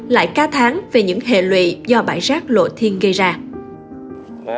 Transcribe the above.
lại ca tháng về những hệ lụy do bãi rác lộ thiên gây ra